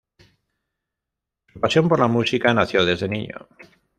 Su pasión por la música nació desde niño.